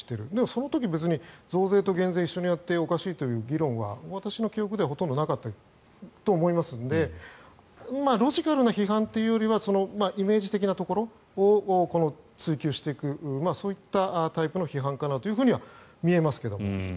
その時、別に増税と減税を一緒にやっておかしいという議論は私の記憶ではほとんどなかったと思いますのでロジカルな批判というよりはイメージ的なところを追及していくそういったタイプの批判かなと見えますけど。